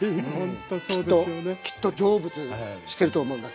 きっときっと成仏してると思います。